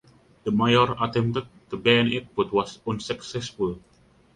The mayor attempted to ban it but was unsuccessful.